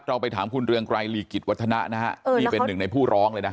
ไปถามคุณเรืองไกรลีกิจวัฒนะนะฮะนี่เป็นหนึ่งในผู้ร้องเลยนะ